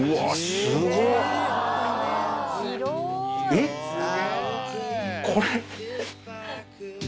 えっこれ。